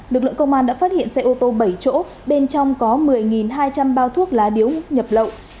lực lượng công an đã phát hiện xe ô tô bảy chỗ bên trong có một mươi hai trăm linh bao thuốc lá điếu nhập lậu